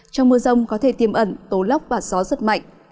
trong mưa rông có thể tiêm ẩn tố lóc và gió rợt mạnh